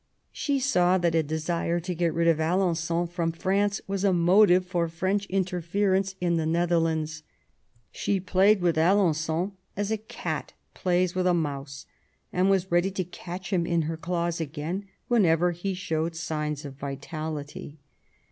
She saw that a desire to get rid of Alen9on from France was a motive of French interference in the Nether lands. She played with Alen9on as a cat plays with a mouse, and was ready to catch him in her claws again whenever he showed signs of vitality.